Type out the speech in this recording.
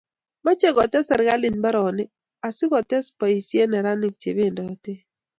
Mochei kotes serkalit mbaronik asikoser boisiet neranik chebendotei